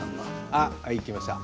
あっいきました。